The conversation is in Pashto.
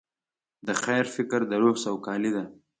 د خیر فکر د روح سوکالي ده.